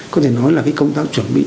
có thể nói là công tác chuẩn bị